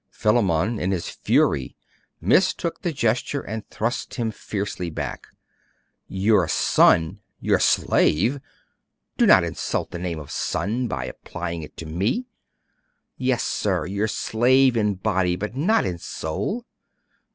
Philammon, in his fury, mistook the gesture and thrust him fiercely back. 'Your son! your slave! Do not insult the name of son by applying it to me. Yes, sir; your slave in body, but not in soul!